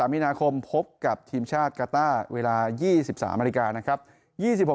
๒๓มีนาคมพบกับทีมชาติกาต้าเวลา๒๓นาทีกา